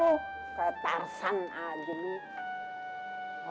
lu kayak tarsan aja nih